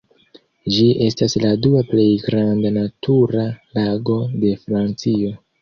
Ĝi estas la dua plej granda natura lago de Francio.